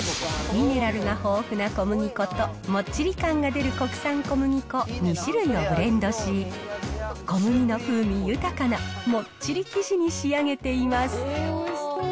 ミネラルが豊富な小麦粉ともっちり感が出る国産小麦粉２種類をブレンドし、小麦の風味豊かなもっちり生地に仕上げています。